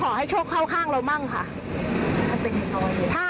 ก็ขอให้โชคข้าวข้างเรามาก